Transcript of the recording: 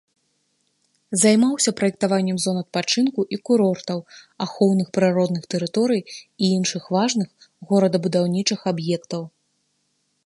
Займаўся праектаваннем зон адпачынку і курортаў, ахоўных прыродных тэрыторый і іншых важных горадабудаўнічых аб'ектаў.